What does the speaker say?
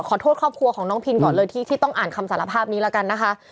ขอโทษครอบครัวของน้องพินก่อนเลยที่ต้องอ่านคำสารภาพนี้แล้วกันนะคะ